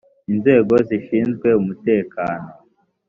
inzego zishinzwe umutekano